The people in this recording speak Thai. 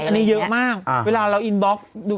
อันนี้เยอะมากเวลาเราอินบล็อก